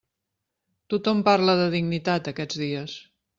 Tothom parla de dignitat, aquests dies.